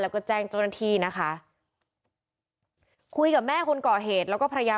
แล้วก็แจ้งเจ้าหน้าที่นะคะคุยกับแม่คนก่อเหตุแล้วก็ภรรยา